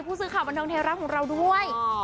ผู้ซื้อข่าวบรรเทิงไฟรัสของเราด้วย